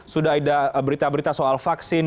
sudah ada berita berita soal vaksin